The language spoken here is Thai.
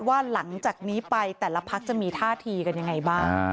หลังจากนี้ไปแต่ละพักจะมีท่าทีกันยังไงบ้าง